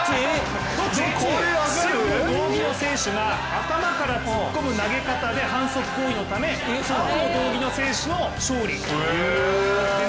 これ、白い胴着の選手が頭から突っ込む投げ方で反則行為のため青の胴着の選手の勝利。